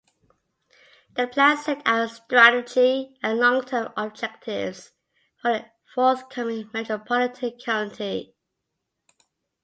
The plan set out strategic and long-term objectives for the forthcoming metropolitan county.